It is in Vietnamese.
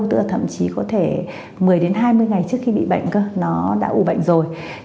tức là thậm chí có thể một mươi đến hai mươi ngày trước khi bị bệnh cơ nó đã ủ bệnh rồi